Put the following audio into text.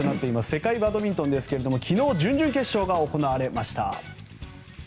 世界バドミントンですが昨日、準々決勝が行われました。